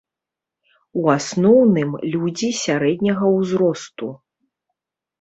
У асноўным, людзі сярэдняга ўзросту.